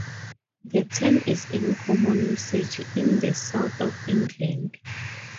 The term is in common usage in the South of England.